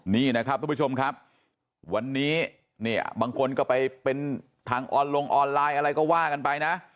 นี่นะครับทุกผู้ชมครับวันนี้เนี่ยบางคนก็ไปเป็นทางออนลงออนไลน์อะไรก็ว่ากันไปนะ